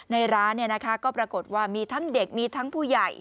ในร้านก็ปรากฏว่ามีทั้งเด็กมีทั้งผู้ใหญ่